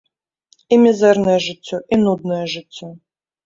І мізэрнае жыццё, і нуднае жыццё.